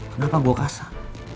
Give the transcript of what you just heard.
kenapa gue kasar